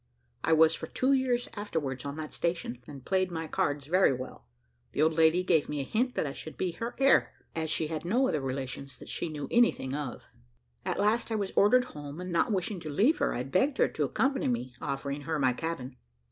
I was for two years afterwards on that station, and played my cards very well; and the old lady gave me a hint that I should be her heir, as she had no other relations that she knew anything of. At last I was ordered home, and not wishing to leave her, I begged her to accompany me, offering her my cabin.